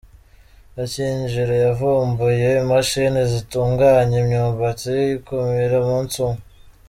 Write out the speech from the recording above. Gakinjiro Yavumbuye imashini zitunganya imyumbati ikumira umunsi umwe